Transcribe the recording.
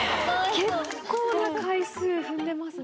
結構な回数踏んでますね。